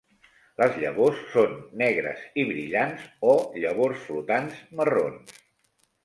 Les llavors són negres i brillants o llavors flotants marrons.